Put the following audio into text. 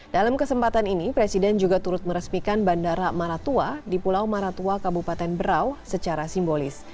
dalam kesempatan ini presiden juga turut meresmikan bandara maratua di pulau maratua kabupaten berau secara simbolis